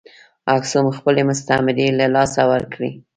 اکسوم خپلې مستعمرې له لاسه ورکړې.